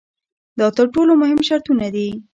دا تر ټولو مهم شرطونه دي.